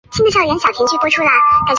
在沙漠之中的甘泉也被饮尽